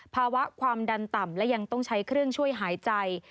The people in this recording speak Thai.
ภาวะความดันต่ำและยังต้องใช้เครื่องช่วยหายใจ